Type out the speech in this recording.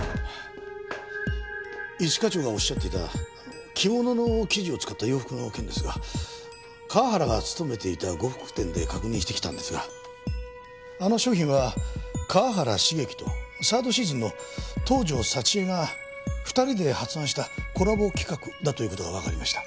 一課長がおっしゃっていた着物の生地を使った洋服の件ですが河原が勤めていた呉服店で確認してきたんですがあの商品は河原茂樹とサードシーズンの東条沙知絵が２人で発案したコラボ企画だという事がわかりました。